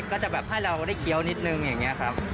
ก็จะแบบให้เราได้เคี้ยวนิดนึงอย่างนี้ครับ